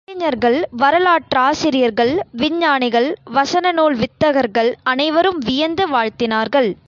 அறிஞர்கள், வரலாற்றாசிரியர்கள், விஞ்ஞானிகள், வசன நூல் வித்தகர்கள் அனைவரும் வியந்து வாழ்த்தினார்கள்.